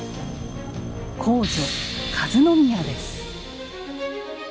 皇女和宮です。